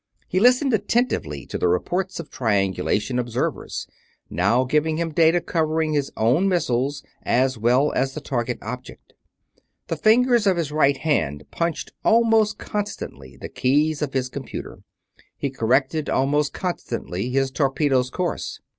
He listened attentively to the reports of triangulating observers, now giving him data covering his own missiles, as well as the target object. The fingers of his right hand punched almost constantly the keys of his computer; he corrected almost constantly his torpedoes' course.